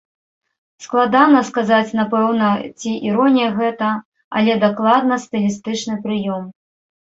Складана сказаць напэўна, ці іронія гэта, але дакладна стылістычны прыём.